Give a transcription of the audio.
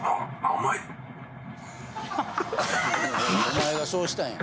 お前がそうしたんや。